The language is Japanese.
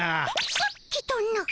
さっきとな？